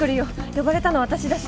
呼ばれたの私だし。